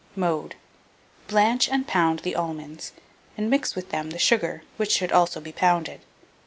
Mode. Blanch and pound the almonds, and mix with them the sugar, which should also be pounded.